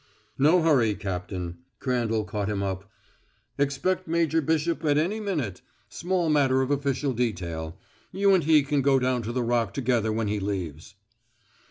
"No hurry, Captain," Crandall caught him up. "Expect Major Bishop in every minute small matter of official detail. You and he can go down the Rock together when he leaves."